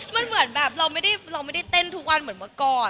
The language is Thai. มันเหมือนแบบเราไม่ได้เต้นทุกวันเหมือนเมื่อก่อน